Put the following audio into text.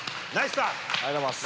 ありがとうございます。